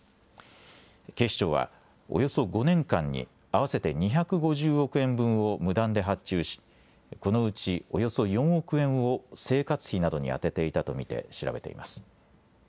警視庁はおよそ５年間に合わせて２５０億円分を無断で発注しこのうちおよそ４億円を生活費などに充てていたと見て調べています。